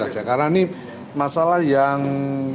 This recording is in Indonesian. karena ini masalah yang